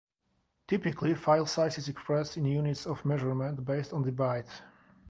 Typically, file size is expressed in units of measurement based on the byte.